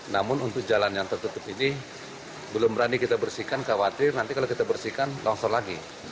namun untuk jalan yang tertutup ini belum berani kita bersihkan khawatir nanti kalau kita bersihkan longsor lagi